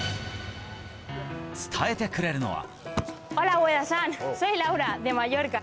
伝えてくれるのは。